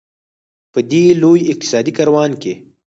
په دې لوی اقتصادي کاروان کې.